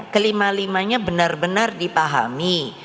kelima limanya benar benar dipahami